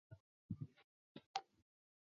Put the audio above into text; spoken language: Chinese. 济宁市位于兖州的西南方向。